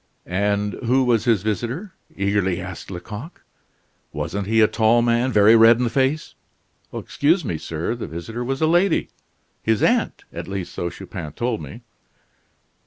"And who was his visitor?" eagerly asked Lecoq, "wasn't he a tall man; very red in the face " "Excuse me, sir, the visitor was a lady his aunt, at least so Chupin told me."